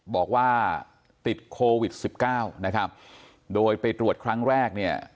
บอกว่าติดโควิดสิบเก้านะครับโดยไปตรวจครั้งแรกเนี่ย